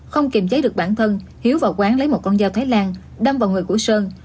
không kìm cháy được bản thân hiếu và quán lấy một con dao thái lan đâm vào người của sơn